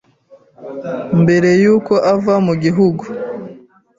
mbere y’uko ava mu gihugu